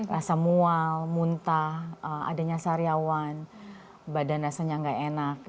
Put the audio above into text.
rasa mual muntah adanya sariawan badan rasanya nggak enak